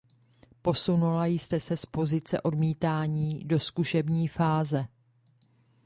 Posunula jste se z pozice odmítání do zkušební fáze.